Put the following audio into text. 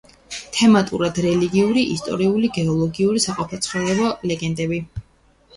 თემატურად: რელიგიური, ისტორიული, გეოგრაფიული, საყოფაცხოვრებო ლეგენდები.